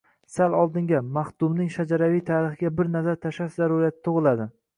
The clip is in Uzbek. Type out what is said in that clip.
sal oldinga – maxdumning shajaraviy tarixiga bir nazar tashlash zaruriyati tug’iladi.